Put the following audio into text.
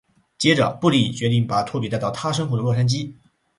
接着布莉决定把拖比带到他生活的洛杉矶。